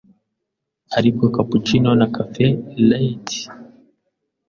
ari bwo cappuccino na caffee latte